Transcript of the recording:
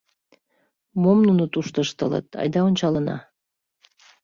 — Мом нуно тушто ыштылыт... айда ончалына.